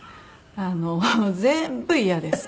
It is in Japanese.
あの全部イヤです。